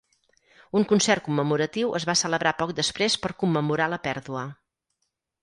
Un concert commemoratiu es va celebrar poc després per commemorar la pèrdua.